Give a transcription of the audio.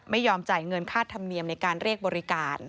ไม่ยอมจ่ายเงินค่าธรรมเนียมในการเรียกบริการ